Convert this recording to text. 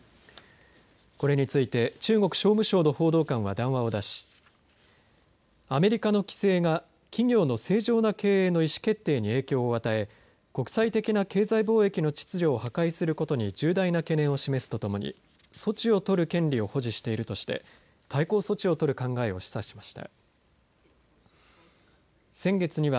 これについて中国商務省の報道官は談話を出しアメリカの規制が企業の正常な経営の意思決定に影響を与え国際的な経済貿易の秩序を破壊することに重大な懸念を示すとともに措置を取る権利を保持しているとして対抗措置を取る考えを示唆しました。